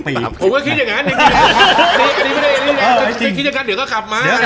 ผมก็คิดอย่างงั้น